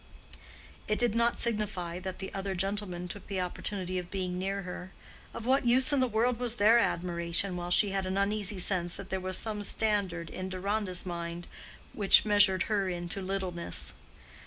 It did not signify that the other gentlemen took the opportunity of being near her: of what use in the world was their admiration while she had an uneasy sense that there was some standard in Deronda's mind which measured her into littleness?